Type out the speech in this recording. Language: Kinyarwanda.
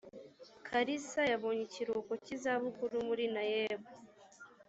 kalisa yabonye ikiruhuko cy’izabukuru muri naeb